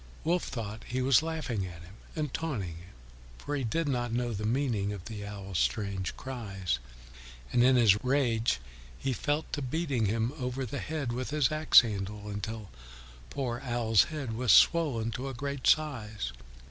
Wolf thought he was laughing at him and taunting him, for he did not know the meaning of Owl's strange cries, and in his rage he fell to beating him over the head with his axe handle until poor Owl's head was swollen to a great size.